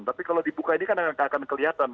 tapi kalau dibuka ini kan akan kelihatan